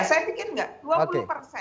saya pikir enggak